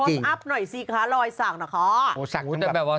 โฟนอัพหน่อยซิคะรอยสักเหรอคะ